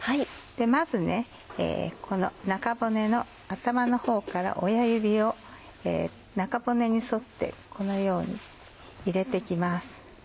まずこの中骨の頭のほうから親指を中骨に沿ってこのように入れて行きます。